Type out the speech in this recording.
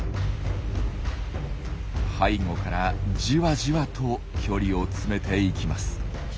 背後からじわじわと距離を詰めていきます。